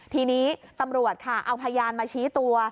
ทีนี้ตำรวจค่ะเอาพยานมาชี้ตัว